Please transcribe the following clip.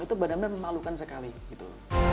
itu benar benar memalukan sekali gitu